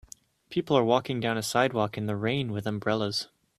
People are walking down a sidewalk in the rain with umbrellas